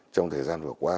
trong thời gian vừa qua